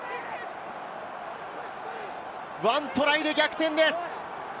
１トライで逆転です。